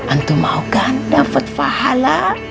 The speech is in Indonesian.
antum maukan dapat fahala